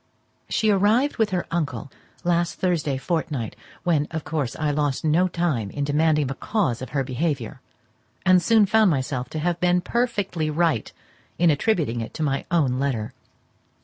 She arrived with her uncle last Thursday fortnight, when, of course, I lost no time in demanding the cause of her behaviour; and soon found myself to have been perfectly right in attributing it to my own letter.